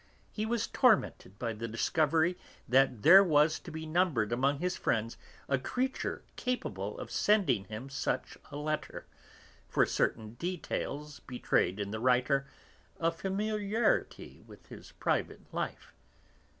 He was tormented by the discovery that there was to be numbered among his friends a creature capable of sending him such a letter (for certain details betrayed in the writer a familiarity with his private life).